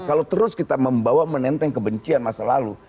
kalau terus kita membawa menenteng kebencian masa lalu